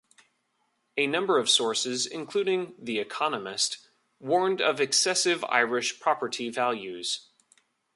A number of sources, including "The Economist," warned of excessive Irish property values.